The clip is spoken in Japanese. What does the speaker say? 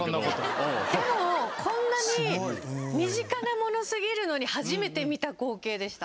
でもこんなに身近なものすぎるのに初めて見た光景でした。